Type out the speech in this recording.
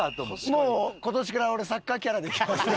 もう今年から俺サッカーキャラでいきます。